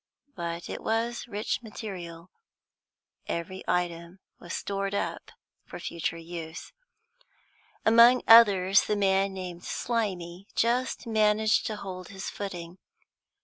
But it was rich material; every item was stored up for future use. Among others, the man named Slimy just managed to hold his footing.